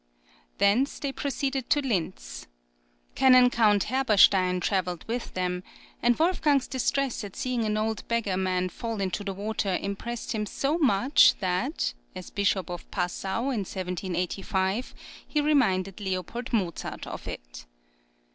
Thence they proceeded to Linz. Canon Count Herberstein travelled with them, and Wolfgang's distress at seeing an old beggar man fall into the water impressed him so much that, as Bishop of Passau, in 1785 he reminded L. Mozart of it.